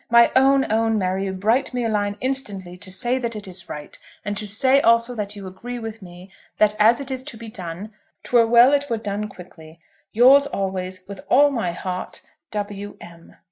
My own, own, Mary, write me a line instantly to say that it is right, and to say also that you agree with me that as it is to be done, 'twere well it were done quickly. Yours always, with all my heart, W. M.